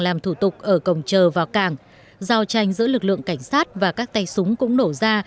làm thủ tục ở cổng chờ vào cảng giao tranh giữa lực lượng cảnh sát và các tay súng cũng nổ ra